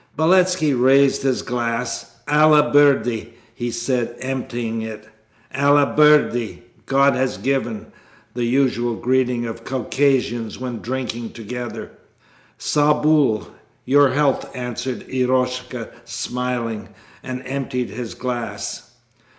Beletski raised his glass. ALLAH BIRDY' he said, emptying it. (ALLAH BIRDY, 'God has given!' the usual greeting of Caucasians when drinking together.) 'Sau bul' ('Your health'), answered Eroshka smiling, and emptied his glass.